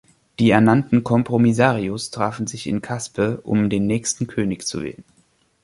Die ernannten „Compromisarios“ trafen sich in Caspe, um den nächsten König zu wählen.